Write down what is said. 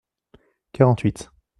Quarante-huit.